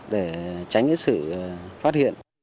để tránh những sự phát hiện